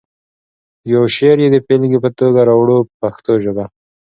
یو شعر یې د بېلګې په توګه راوړو په پښتو ژبه.